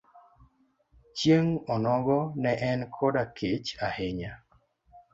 Chieng' onogo ne en koda kech ahinya.